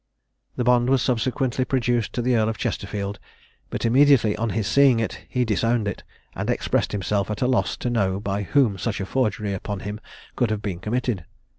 The bond was subsequently produced to the Earl of Chesterfield; but immediately on his seeing it, he disowned it, and expressed himself at a loss to know by whom such a forgery upon him could have been committed.